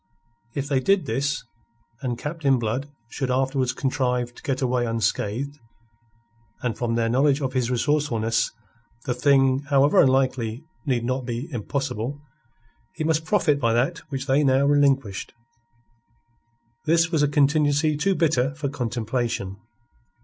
If they did this, and Captain Blood should afterwards contrive to get away unscathed and from their knowledge of his resourcefulness, the thing, however unlikely, need not be impossible he must profit by that which they now relinquished. This was a contingency too bitter for contemplation.